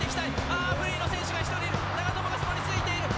あー、フリーの選手が一人いる！